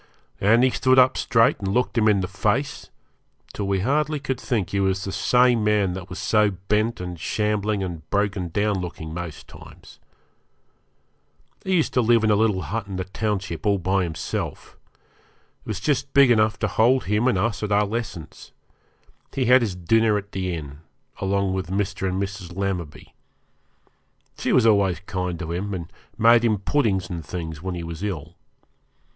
And he stood up straight and looked him in the face, till we hardly could think he was the same man that was so bent and shambling and broken down looking most times. He used to live in a little hut in the township all by himself. It was just big enough to hold him and us at our lessons. He had his dinner at the inn, along with Mr. and Mrs. Lammerby. She was always kind to him, and made him puddings and things when he was ill.